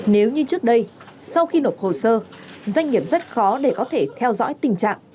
nếu như trước đây sau khi nộp hồ sơ doanh nghiệp rất khó để có thể theo dõi tình trạng